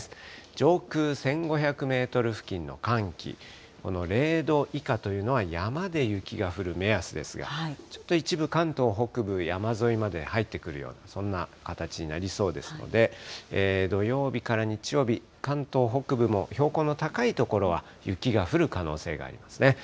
上空１５００メートル付近の寒気、この０度以下というのは山で雪が降る目安ですが、ちょっと一部、関東北部山沿いまで入ってくるような、そんな形になりそうですので、土曜日から日曜日、関東北部も標高の高い所は、雪が降る可能性がありますね。